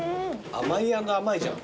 甘いアンド甘いじゃん。